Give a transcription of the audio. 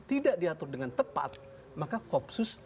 tidak diatur dengan tepat maka kopsus